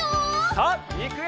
さあいくよ！